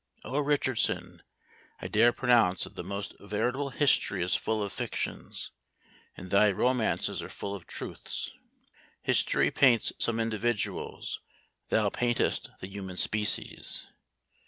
"Oh Richardson, I dare pronounce that the most veritable history is full of fictions, and thy romances are full of truths. History paints some individuals; thou paintest the human species.